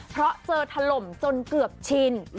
เพราะเจอถล่มจนเกือบชิน